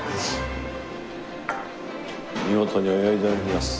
見事に泳いでおります。